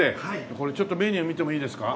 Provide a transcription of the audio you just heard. これメニュー見てもいいですか？